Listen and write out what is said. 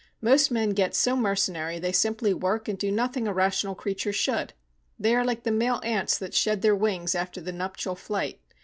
Most men get so mercenary, they simply work and do nothing a rational creature should. They are like the male ants that shed their wings after the nuptial flight.